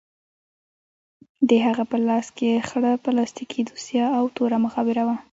د هغه په لاس کښې خړه پلاستيکي دوسيه او توره مخابره وه.